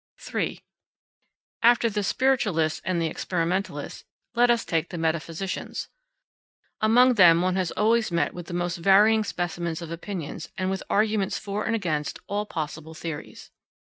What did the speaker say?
3. After the spiritualists and the experimentalists, let us take the metaphysicians. Among them one has always met with the most varying specimens of opinions and with arguments for and against all possible theories.